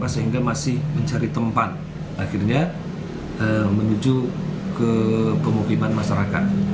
sehingga masih mencari tempat akhirnya menuju ke pemukiman masyarakat